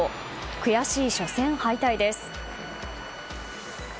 悔しい初戦敗退です。